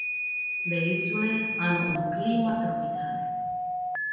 Le isole hanno un clima tropicale.